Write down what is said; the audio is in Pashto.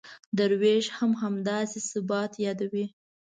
درویش هم همدا ثبات یادوي.